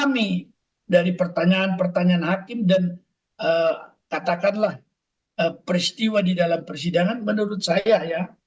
mengatakanlah peristiwa di dalam persidangan menurut saya ya